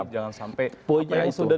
jangan sampai apa yang sudah